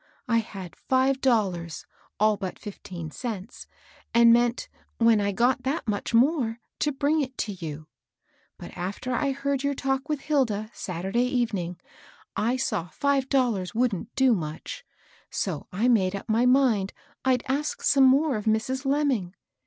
I had five dollars, all but fifteen cents, and meant, when I got that much more, to bring it to you. But after I heard your talk with Hilda, Saturday evening, I saw five dollars wouldn't do much ; so I made up my mind I'd ask some more of Mrs. Lemming.